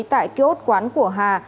tại kiosk quán của hà